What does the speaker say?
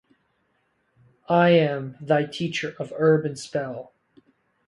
I am thy teacher of herb and spell.